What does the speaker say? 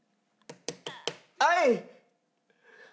はい！